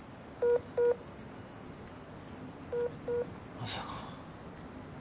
まさか。